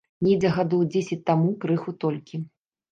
Недзе гадоў дзесяць таму крыху толькі.